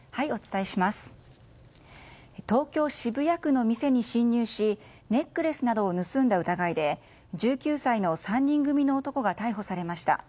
東京・渋谷区の店に侵入しネックレスなどを盗んだ疑いで１９歳の３人組の男が逮捕されました。